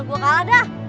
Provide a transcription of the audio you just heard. gua kalah dah